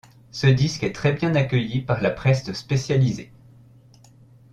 Ce disque est très bien accueilli par la presse spécialisée.